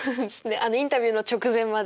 あのインタビューの直前まで。